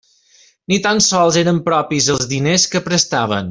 Ni tan sols eren propis els diners que prestaven.